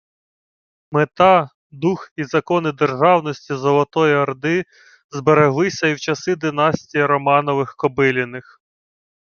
Мета, дух і «закони державності» Золотої Орди збереглися і в часи династії Романових-Кобиліних